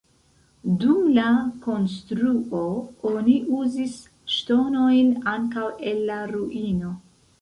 Dum la konstruo oni uzis ŝtonojn ankaŭ el la ruino.